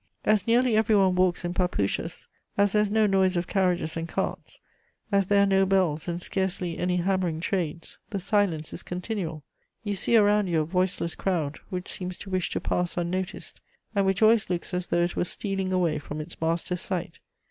As nearly every one walks in papouches, as there is no noise of carriages and carts, as there are no bells and scarcely any hammering trades, the silence is continual. You see around you a voiceless crowd which seems to wish to pass unnoticed, and which always looks as though it were stealing away from its master's sight.